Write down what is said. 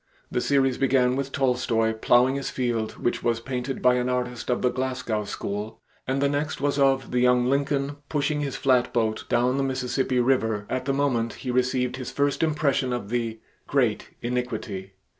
The series began with Tolstoy plowing his field which was painted by an artist of the Glasgow school, and the next was of the young Lincoln pushing his flatboat down the Mississippi River at the moment he received his first impression of the "great iniquity."